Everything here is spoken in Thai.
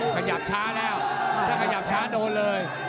ขยับช้าแล้วถ้าขยับช้าโดนเลย